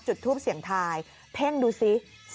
จุดทูปเสียงทายเพ่งดูซิ